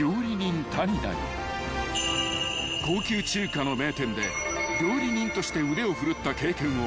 ［高級中華の名店で料理人として腕を振るった経験を持つ］